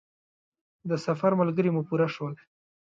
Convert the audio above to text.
د سفر ملګري مو پوره شول.